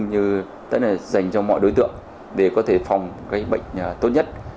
tất cả những lời khuyên rất là dành cho mọi đối tượng để có thể phòng bệnh tốt nhất